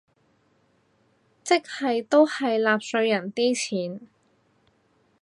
即係都係納稅人啲錢